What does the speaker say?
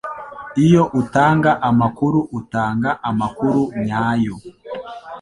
Iyo utanga amakuru utanga amakuru nyayo